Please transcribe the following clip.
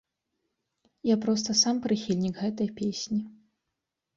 Я проста сам прыхільнік гэтай песні.